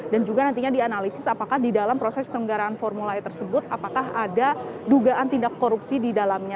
dan juga nantinya dianalisis apakah di dalam proses penyelenggaraan formula e tersebut apakah ada dugaan tindak korupsi di dalamnya